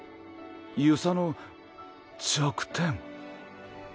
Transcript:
遊佐の弱点